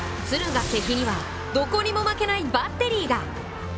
敦賀気比にはどこにも負けないバッテリーが！